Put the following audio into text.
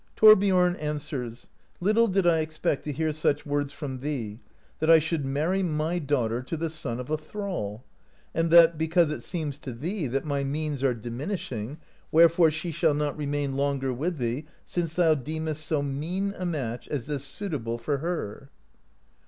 Thorbiorn answers : "Little did I expect to hear such words from thee, that I should marry my daughter to the son of a thrall (29) ; and that, because it seems to thee that my means are diminishing, wherefore she shall not remain longer with thee since thou deemest so mean a match as this suitable for her."